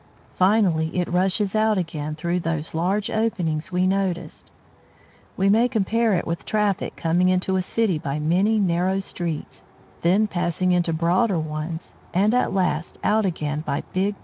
Finally, it rushes out again through those large openings we noticed. We may compare it with traffic coming into a city by many narrow streets, then passing into broader roads, and at last out again by big main roads.